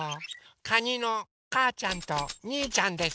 かにのかーちゃんとにーちゃんです。